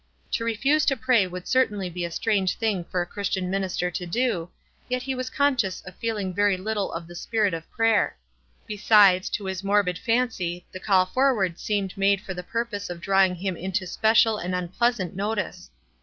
To refuse to pray would certainly be a strange thing for a Christian minister to do, yet he was conscious of feeling very little of the spirit of prayer; besides, to his morbid fancy the call forward seemed made for the purpose of draw ing him into special and unpleasant notice.